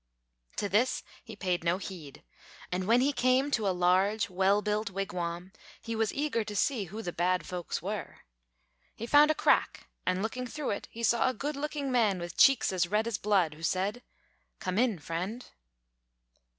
To this he paid no heed; and when he came to a large, well built wigwam, he was eager to see who the bad folks were. He found a crack, and looking through it, he saw a good looking man, with cheeks as red as blood, who said: "Come in, friend."